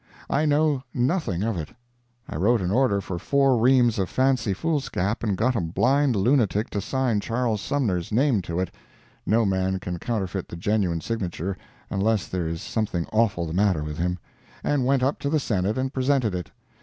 I know nothing of it. I wrote an order for four reams of fancy foolscap and got a blind lunatic to sign Charles Sumner's name to it (no man can counterfeit the genuine signature unless there is something awful the matter with him), and went up to the Senate and presented it.